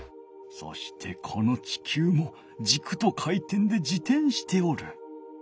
そしてこのちきゅうもじくと回転で自転しておる。